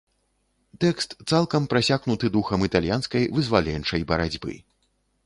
Тэкст цалкам прасякнуты духам італьянскай вызваленчай барацьбы.